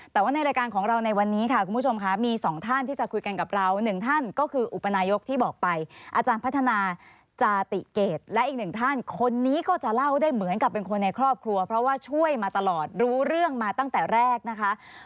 แต่ว่าในรายการของเราในวันนี้ค่ะคุณผู้ชมค่ะมีสองท่านที่จะคุยกันกับเราหนึ่งท่านก็คืออุปนายกที่บอกไปอาจารย์พัฒนาจาติเกตและอีกหนึ่งท่านคนนี้ก็จะเล่าได้เหมือนกับเป็นคนในครอบครัวเพราะว่าช่วยมาตลอดรู้เรื่องมาตั้งแต่แรกนะคะ